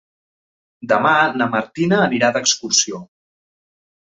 Demà na Martina anirà d'excursió.